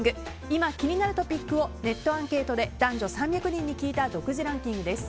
今気になるトピックをネットアンケートで男女３００人に聞いた独自ランキングです。